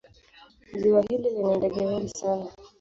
Ziwa hili lina ndege wengi sana.